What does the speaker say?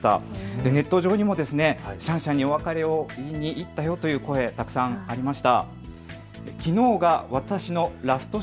ネット上にもシャンシャンにお別れ言いに行ったよという声たくさんありました。